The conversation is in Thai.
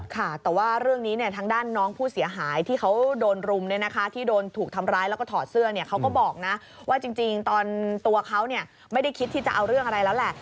ค่ะแต่ว่าเรื่องนี้เนี่ยทางด้านน้องผู้เสียหายที่เขาโดนรุมเนี่ยนะคะที่โดนถูกทำร้ายแล้วก็ถอดเสื้อเนี่ยเขาก็บอกนะว่าจริงตอนตัวเขาไม่ได้คิดที่จะเอาเรื่องอะไรแล้วแหละ